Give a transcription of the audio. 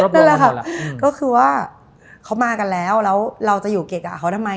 ว่าเขามากันแล้วแล้วเราจะอยู่เกี่ยวกับเขาทำไม